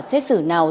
xét xử nào